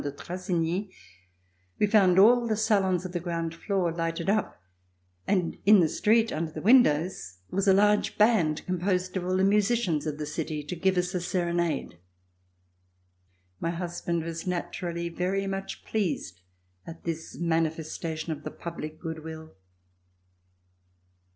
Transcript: de Trazegnies, we found all the salons of the ground floor lighted up and in the street under the windows was a large band composed of all the musicians of the city to give us a serenade. My husband was naturally very much pleased at this manifestation of the public good will.